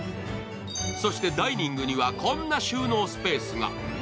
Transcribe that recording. そしてダイニングにはこんな収納スペースが。